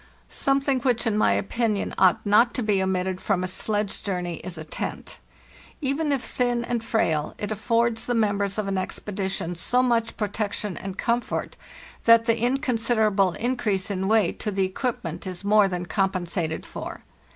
Something which, in my opinion, ought not to be omitted from a sledge journey is a ¢ez¢. Even if thin and frail, it affords the members of an expedition so much protection and comfort that the inconsiderable increase in weight to the equipment is more than compensated for.